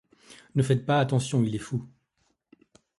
Ne faites pas attention, il est fou.